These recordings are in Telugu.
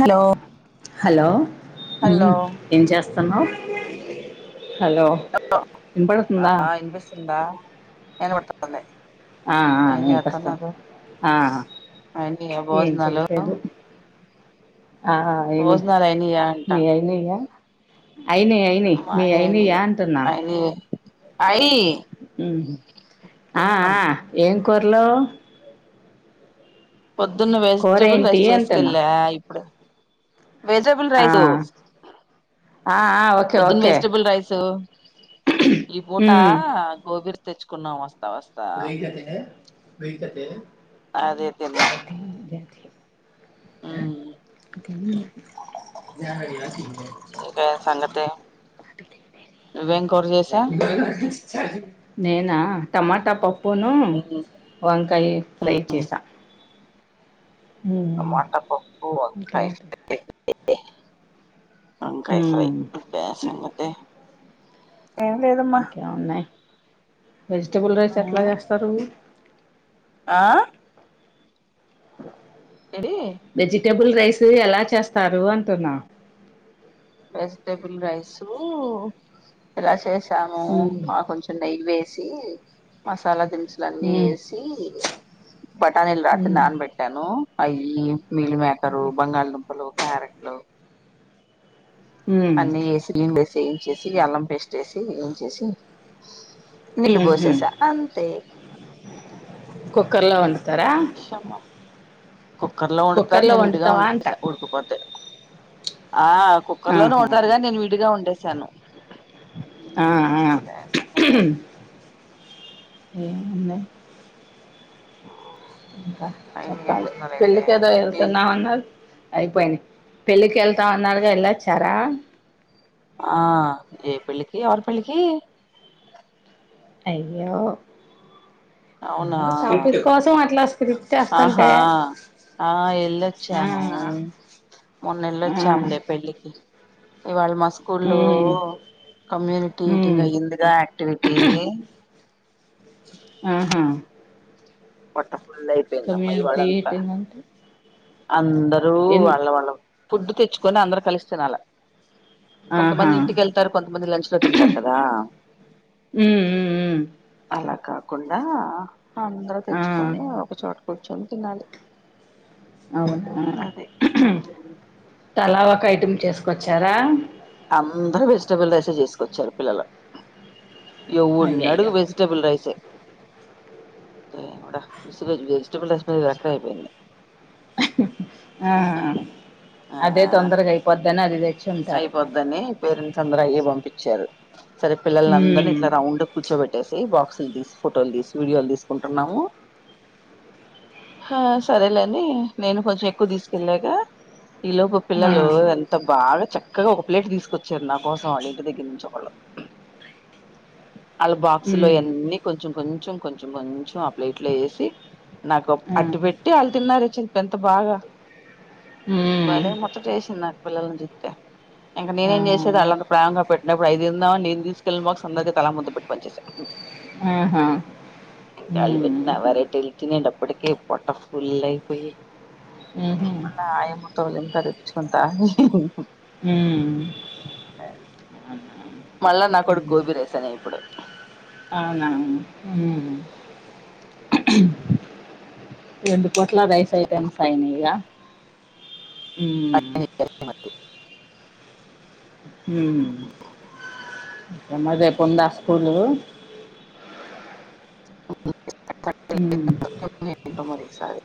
హలో హలో హలో ఏం చేస్తున్నావు హలో ఆ వినపడుతుందా ఆ ఇనిపిస్తుందా ఆ ఆ ఏం వినిపిస్తుంది చేస్తున్నారు ఆ అయినయా ఏం భోజనాలు చేయట్లేదు ఆ ఆ ఏని భోజనాలు అయినయా అంట మీఅయినేనా అయినై అయినై మీ అయినాయా అంటున్నా అయినై హ్మ్ ఆ ఆ ఏం కుర్లు పొద్దున్న కూర వెజిటబుల్ ఏంటి రైస్ అంటున్నా చేసుకెళ్ళా ఇప్పుడు వెజిటబుల్ ఆ, రైస్ ఆ, ఆ, ఓకే పొద్దున్ ఓకే వెజిటబుల్ రైస్ ఉమ్, తెచ్చుకున్నాం వస్తా వస్తా అదే తిన్నాం అది మ్ అది మి ఏంటి సంగతే నేనా టమాటా పప్పు ప్పును వంకాయ ఫ్రై చేసా ఉమ్, టమాట పప్పు ఇంకా వంకాయ ఏంటి వంకాయ ఫ్రై ఉమ్, ఇదా సంగతి ఏం లేదమ్మా ఇంకేం ఉన్నాయి వెజిటబుల్ రైస్ ఎట్లా చేస్తారు ఆ ఎది టేబుల్ రైస్ ఎలా చేస్తారు అంటున్నా వెజిటబుల్ రైస్ ఎలా చేసా తాము ఉమ్ ఆ కొంచం నెయ్యి వేసి మసాలా ది అసలన్నీ ఉమ్ వేసి బఠానీలు రాత్రి నానబెట్టాను అవి మిల్ మేకరు, బంగాళదుంపలు, క్యారెట్లు. ఉమ్ అన్నీ వేసి, లిం [unintelligible] సి ఏంచేసి అల్లం పేస్ట్ వేసి ఏంచేసి. ఉహు నీళ్లుబోసేసా అంతే. క్కర్లో వండుతారా? కుక్కర్ లో వండుతారు కుక్కర్లో నేను విడిగా వండుతావా అంట వండేసా ఉడుకుపోద్ది. ఆ కుక్కర్ లోనే ఆహా వోడారు గాని నేను విడిగా వండేసాను. ఆ ఆ గ్యాస్ ఏ అంతే [unintelligible] ది. ఇంకా అయన్ని చెప్పాలి చెప్పుతున్నారు అయితే పెళ్లికేదో క్లీన్ వెళ్తున్నామన్నారు. అయిపోయింది పెళ్లికి వెళ్తామన్నారుగా వెళ్ళొచ్చారా? ఆ ఏ పెళ్ళికి ఎవరి పెళ్ళికి? అయ్యో అవునా ఎదో టాపిక్ కోసం అట్లా స్క్రిప్ట్ వేస్తంటే. ఆహా ఆ ఎళ్ళొచ్చాను, ఆ మొన్నెళ్ళొచ్చాములే పెళ్ళికి. ఇవాలి మాస్ స్కూల్లో ఉమ్ హ్మ్. కమ్యూనిటీటింగ్ అయ్యిందిగా యాక్టివిటీ. ఆహా! పొట్ట ఫుల్ అయిపోయిందమ్మ కమ్యూనిటీ ఇవాళ్లంతా. ఈటింగ్ అంటే అందరూ ఎన్ని వాళ్ళ, వాళ్ళ ఫుడ్ తెచ్చుకొని అందరు కలిసి తినాలా. ఆహా! కొంతమంది ఇంటికెళ్తారు, కొంతమంది లంచ్ లో తింటారు కదా! హ్మ్. హ్మ్. హ్మ్. అలా కాకుండా అన్ ఆ! కొని ఒకచోట కూర్చొని తినాలి. అవునా, అదే అవును తలా ఒక ఐటమ్ చేసుకొచ్చారా? అందరు వెజిటబుల్ రైస్ ఏ చేసుకొచ్చారు పిల్లలు. ఎవడ్నాడుగు అయ్యయ్యో! వెజిటబుల్ రైసెయ్ దేవుడా. విస్గేజ్ వెజిటేబుల్ రైస్ పైన విరకతి అయిపోయింది. ఆ ఆ అదే తొందరగా అయిపోద్దని అది తెచ్చి ఉంటారు. పోద్దని పేరెంట్స్ అందరు అయ్యే పంపించారు. సరే పిల్లనందర్నీ హ్మ్. ఇట్లా రౌండ్ కూర్చోబెట్టేసి బాక్స్. [unintelligible] తీస్, ఫోటోలు తీస్, వీడియోల్ తీసుకుంటన్నాము. హా సరేలే అని నేను కొంచెం ఎక్కువ తీసుకెళ్ళాగా. ఈ లోపు ఆ! పిల్లలు ఎంత బాగా చక్కగా ఒక ప్లేట్ తీసుకొచ్చారు, నా కోసం వాళ్ళు ఇంటి దగ్గర నుంచి ఒకళ్ళు. వాళ్ళ బాక్స్ లో హ్మ్. అన్నీ కొంచెం, కొంచెం, కొంచెం, కొంచెం ఆ ప్లేట్లో ఏసీ నాకు ఆ! అట్టి పెట్టి వాళ్ళు తిన్నారు చేపెంత బాగా! హ్మ్. భలే ముచ్చటేసింది నాకు పిల్లల్ని చూస్తే. ఇంకా ఆ! నేనేం చేసేది ఆళ్లంతా ప్రేమగా పెట్టినప్పుడు అయి తిందామని నేను తీస్. పిల్లన్ బాక్స్ అందరికీ తల ముద్ద పెట్టి పంచేసా. ఆహా! హ్మ్. [unintelligible] వెరైటీలు తినేటప్. ఇప్పటికే పొట్ట ఫుల్ అయిపోయి, హుహు. మళ్ళ ఆయమ్మతో లిమ్కా తెప్పించుకున్. తాగి. హు మళ్ళా నా కొడుకు గోబీ రైస్ అనే ఇప్పుడు అవున హు అవున. హు రెండు పూట్ల రైస్ ఐటెమ్స్ అయినయిగా. ఉ హు [unintelligible] రేపు ఉందా స్కూల్? [inaudible] ఈసారి.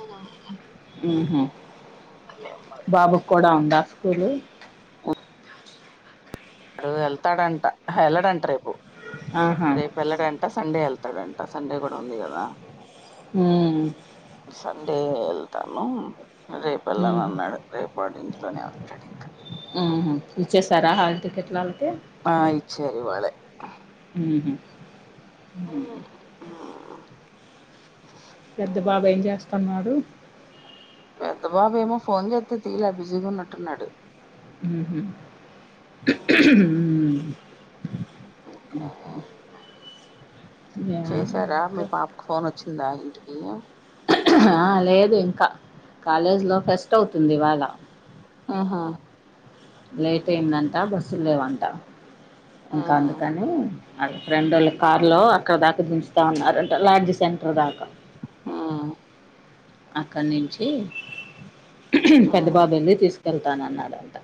[inaudible] ఉహు బాబుకు కూడా ఉందా స్కూలు. అడు వెల్తాడాంట, ఎల్డంట రేపు, ఆహా రేపు ఎల్డంట సండే ఎల్. ళ్తాడంట సండే కూడా ఉంది కదా? ఉ సండే వెళ్తాను రేప వెళ్లాన ఉమ్హు, అన్నాడు రేపు వాడు ఇంట్లోనే ఉంటాడు ఇంకా ఇచ్చారా హల్టికెట్లాలకు ఆ ఇచ్చరి ఇవాలే హ పెద్ద బాబు ఏం చేస్తున్నాడు పెద్ద బాబు ఏమో ఫోన్ చేతే తీయలే బిజీగా ఉన్నట్టున్నాడు ఉమ్ అ చేసారా మీ పాపకు ఫోన్ వచ్చిందా ఇంటికి లేదు ఇంకా కాలేజీలో ఫెస్ట్ అవుతుంది ఇవాళ ఆహా లేట్ అయిందంట బస్సు లేవంట ఆ ఇంకా అందుకని అ ఫ్రెండ్ వాళ్ళ కార్ లో అక్కడ దాకా దించుట అన్నారు అంటే లార్జ్ సెంటర్ దాకా ఆ అక్కడి నుంచి ఆ పెద్ద బాబు వెళ్ళి తీసుకెళ్తాన అన్నాడంట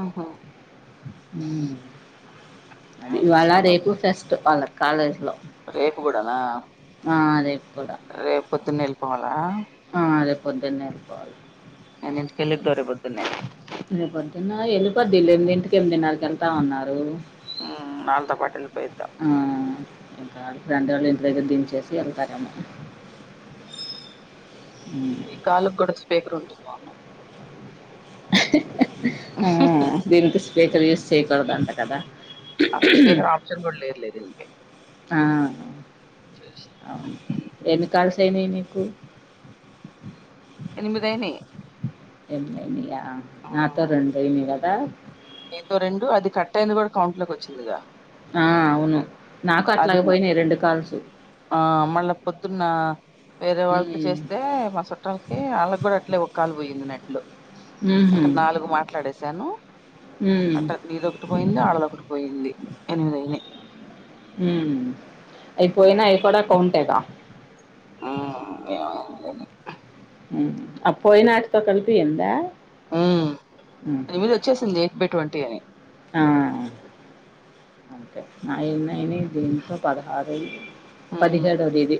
ఆహా అది ఇవాళ రేపు ఫెస్ట్ వాళ్ళ కాలేజ్ రేపు కూడానా రేపు కూడా రేపు పొద్దున్న వెళ్ళిపోవాలా ఆ అదే పొందున్న వేల్ పోవాలి ఎన్నింటికెళ్ళిద్దో రేపు పొద్దున్న వెళ్ళిపోద్దు ఎనిమిదింటికి ఎమిదిన్నరకి వెళ్తామన్నారు వాళ్లతో పాట్ వెళ్లి పోయిద వాళ్ల ఫ్రెండ్ వోల ఇంటి దగ్గర దించేసి వెళ్తార ఏమో ఈ కాల గుడ స్పీకర్ బాగున్ను దీనికి స్పీకర్ యూస్ చేయకూడదు అంట కదా అసలు స్పీకర్ ఆప్షన్ గుడ లేదు లే దినికి ఆ అవును ఎన్ని కాల్ అయినయ్ నీకు ఎనిమిదైనై ఎమైదనియా నాతో రెండైనయి కదా నీతో రెండు అది కట్ అయింది కూడా కౌంట్ లోకి వచ్చిందిగా ఆ అవును నాకు అది ము- అట్లాగెపోయినాయి రెండు కాల్సు ఆ మళ్ళా పొద్దున్న వేరే వాళ్ళకి ఉమ్ చేస్తే మా చుట్టాలకి వాళ్ళకి కూడా అట్లే ఒక్కాలు పోయిందిన్నెట్లొ ఉహు ఇంకా నాలుగు మాట్లాడు డేశాను ఉమ్ అట్ట నీదొ ఒకటి పోయింది ఎనిమిదైనై ఉమ్ అవి పోయినా కూడా కౌంటేగ ఉమ్ ఏమో అది అ పోయి నాటితో కలిపి ఎంత ఉ ఎనిమిది వచ్చేసింది యైట్ బై టొన్టి అని ఆ ఒకె నాయి ఎన్నైయి దీనితో పదహారు అయినై ఉమ్, పదిహేడో దిదీ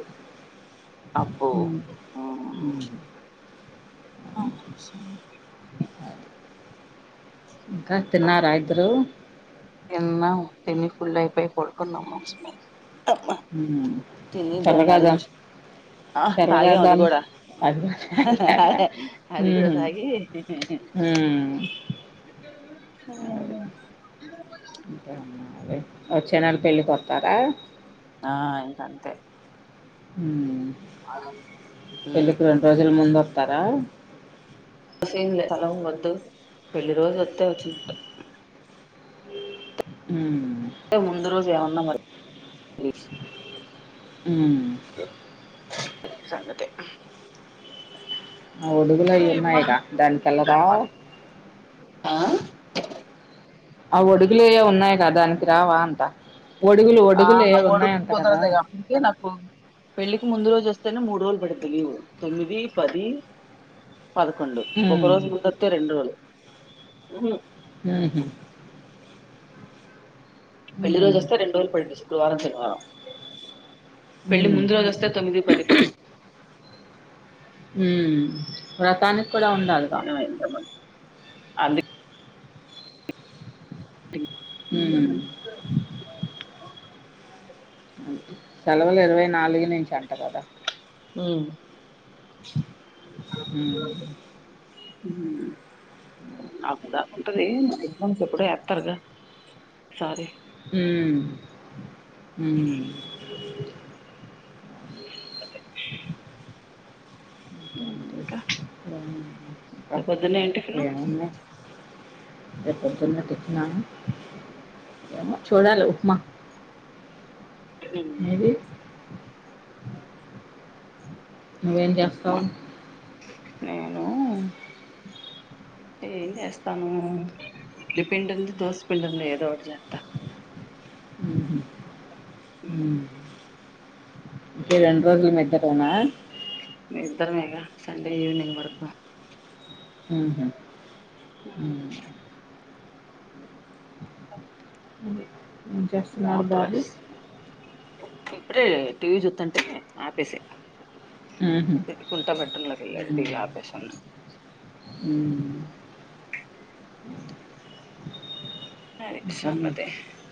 అబ్బో ఉమ్ ఉమ్, సంగతి. అ ఇంకా తిన్నారా ఇదరు తిన్నాం తిని ఫుల్ అయిపోయి పడుకున్నము మంచె అమ్మా ఉమ్ తిని దాన్ని చల్లగా దా అరిగించు ఆ తగే అది కూడా ఉ అదే, ఉమ్ అది కూడా తాగి [inaudible] [unintelligible] అంతే అ అదే వచ్చే నళ పెళ్ళికొస్తారా ఆ ఇంకంతే ఉమ్ [inaudible] జల ముందతారా లే స్లం వద్దు పెళ్లి రోజు వత్తే వచ్చినట్ట ఉమ్ ముందు రోజు ఏమన్నా మరి ఉమ్ సంగతే ఆ ఒడుగులు అయి అయమ్మా ఉన్నాయిగా దానినికిలా రా ఆ ఒడుగులెవొ ఉన్నాయి కదా దానికి రావా అంట ఒడుగులు ఆ ఒడుగులు ఏయో అడుగు ఉన్నాయంట కదా పోదడదు అప్పటికే నాకు పెళ్ళికి ముందు రోజు వస్తేనే మూడు పడతు తొమ్మిది పది పదకొండు ఒక ఉమ్ రోజు ముందతే రెండు రోజులు ఆ ఉమ్ పెళ్లి ఉమ్ రోజు వస్తే రెండు రోజులు పడింది శుక్రవారం శనివారం పెళ్లి ఉమ్ ముందు రోజస్తే తొమ్మిది పదిపా వ్రతానికి కూడా ఉండాలిగా ఏ ఎంత మ అది ఉమ్ సెలవులు ఇరవై నాలుగు నుంచి అంట కదా ఉమ్ ఉమ్ నాదా ఉంటుంది ఎగ్జామ్స్ ఎప్పుడూ ఉమ్ ఉ అదే ఇంకేంటి? ఇంకా ఉమ్, ఇంకా రే పొద్దున్నే ఏమ్ టిఫెన్ రే పొద్దున్న టిఫెన్ ఆ ఏమో చూడాల ఉప్మా మీది నువ్వేం ఉప్మా చేస్తావ్ [unintelligible] ఏమ్ చేస్తాను ఇడ్లీ పిండి ఉంది దోశ పిండి ఉంది ఏదో ఒకటి చేత్తా [inaudible] ఈ రెండ్రోజలు మతురనా ఇద్దర మేగా సండే ఈవినింగ్ వరకు ఆహా అదే ఏం చేస్తున్నాడు మోటర్ బాబు వేస్తాను ఇప్పుడే టీవి చూత్తంటే ఆపేసా [inaudible] ఉహు, హమ్ అది సంగతే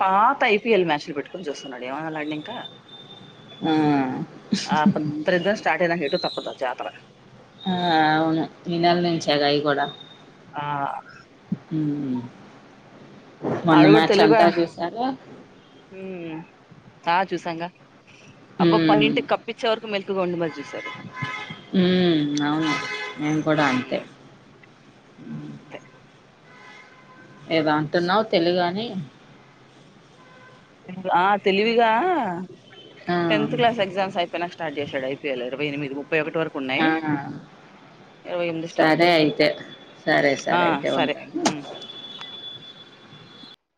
పాత ఐపీఎల్ మ్యాచ్లు పెట్టుకొని చూస్తున్నాడు ఏమనాలాడిని ఇంకా ఆ, ఆ పంత్ర దిన స్టార్ట్ అయ్యాక ఎటు తప్పదు జాతర ఆ అవును ఈ నెల నుంచే గా అయ్యి కూడా ఆ హమ్ మొన్న ఆవిడ కూడా మ్యాచ్ తెలుగా అంతా చూసారు ఉమ్ ఆ చూసాంగా అబ్బా పన్నంటి కప్పించవరకు మెల్కు ఉండు మరి చూశారు హమ్ అవును మేము కూడా అంతే [unintelligible] ఏదో అంటున్నావు తెలుగ అని ఆ తెలివిగా ఆ టెన్త్ క్లాస్ ఎగ్జామ్స్ అయిపోయినాక స్టార్ట్ చేశాడు ఐపీఎల్ ఇరవై ఎనిమిది ముప్పై ఒకటి వరకు ఉన్నాయి ఆ ఇరవై ఎనిమిది స్టార్ట్ సరే చేసారు అయితే సరే ఆ సరే అయితే సరే ఉంటాను